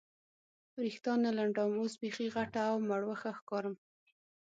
وریښتان نه لنډوم، اوس بیخي غټه او مړوښه ښکارم.